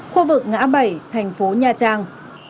khu vực ngã bảy thành phố nha trang